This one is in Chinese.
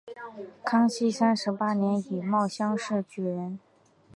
康熙三十八年己卯乡试举人。